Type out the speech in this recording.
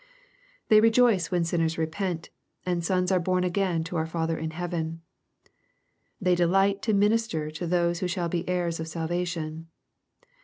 They rejoice when sinners repent, and sons are bom again to our Father in heaven. They delight to minister to those who shall be heirs of salvation.